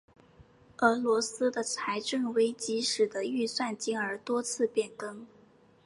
俄罗斯的财政危机使得预算金额多次变更。